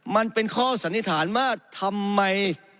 มันเป็นข้อศัลยธารว่าทำไม